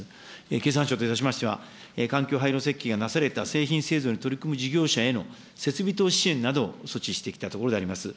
経産省といたしましては、環境配慮設計がなされた製品製造に取り組む事業者への設備投資支援などを措置してきたところであります。